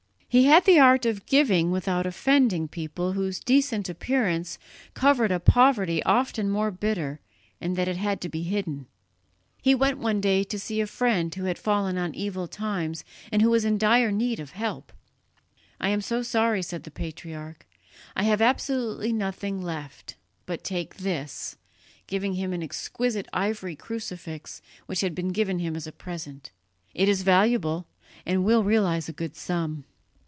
He had the art of giving without offending people whose decent appearance covered a poverty often more bitter in that it had to be hidden. He went one day to see a friend who had fallen on evil times, and who was in dire need of help. "I am so sorry," said the patriarch, "I have absolutely nothing left, but take this," giving him an exquisite ivory crucifix which had been given him as a present; "it is valuable, and will realize a good sum."